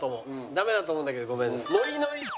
ダメだと思うんだけどごめん。